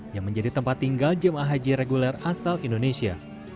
yang menjadi tempat tinggal jemaah haji reguler asal indonesia